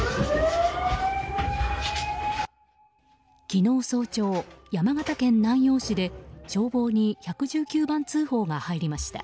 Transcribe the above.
昨日早朝、山形県南陽市で消防に１１９番通報が入りました。